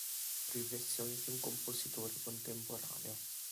Riflessioni di un compositore contemporaneo".